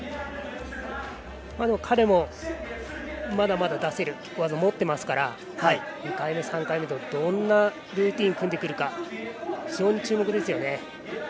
彼もまだまだ出せる技を持っていますから２回目、３回目とどんなルーティンを組んでくるか非常に注目ですよね。